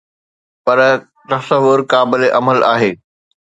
پر تصور قابل عمل آهي